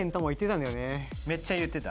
めっちゃ言ってた。